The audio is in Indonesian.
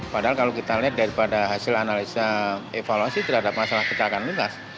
padahal kalau kita lihat daripada hasil analisa evaluasi terhadap masalah kecelakaan lintas